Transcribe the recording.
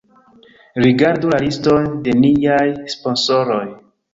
Rigardu la liston de niaj sponsoroj